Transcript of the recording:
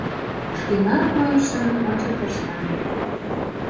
Шкенан койышым ончыктышна.